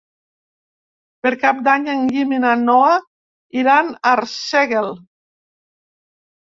Per Cap d'Any en Guim i na Noa iran a Arsèguel.